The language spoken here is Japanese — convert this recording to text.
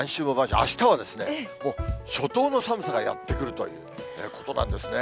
あしたはもう、初冬の寒さがやって来るということなんですね。